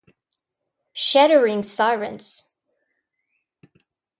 Shattering Sirens